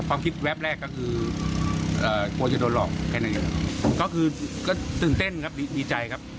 ความคิดแวบแรกก็คือกลัวจะโดนหลอกแค่ไหนครับก็คือก็ตื่นเต้นครับดีใจครับ